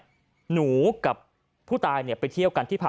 จนกระทั่งบ่าย๓โมงก็ไม่เห็นออกมา